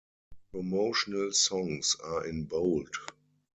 Promotional songs are in bold.